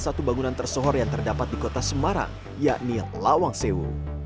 satu antar suhor yang terdapat di kota semarang yakni lawang sewu